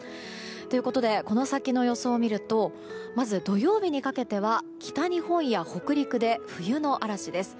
ということでこの先の予想を見るとまず土曜日にかけては北日本や北陸で冬の嵐です。